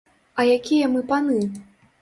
А якія мы паны?